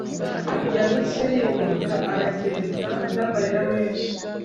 yahise yikubita aragenda namarira menshi,